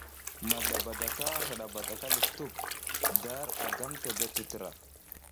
Mazlabadaka a hǝna badaka le tup dar ara gaŋ tebeɗ tǝtra.